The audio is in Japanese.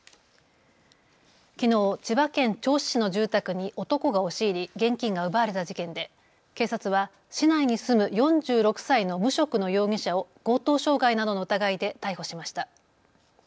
きのう千葉県銚子市の住宅に男が押し入り現金が奪われた事件で警察は市内に住む４６歳の無職の容疑者を強盗傷害などの疑いで逮捕しました。